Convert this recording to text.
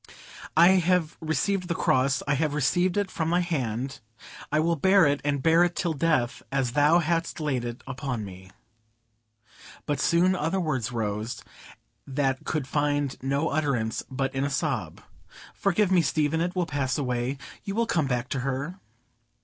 "I have received the Cross, I have received it from Thy hand; I will bear it, and bear it till death, as Thou hast laid it upon me." But soon other words rose that could find no utterance but in a sob,—"Forgive me, Stephen! It will pass away. You will come back to her."